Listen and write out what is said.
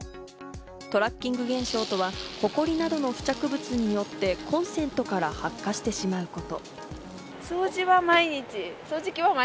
トラッキング現象とは、ホコリなどの付着物によってコンセントから発火してしまうこと。